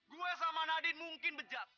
gue sama nadie mungkin bejat